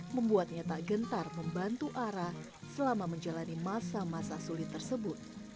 membuatnya tak gentar membantu ara selama menjalani masa masa sulit tersebut